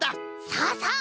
さあさあ